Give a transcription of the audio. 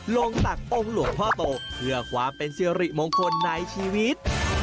ตักองค์หลวงพ่อโตเพื่อความเป็นสิริมงคลในชีวิต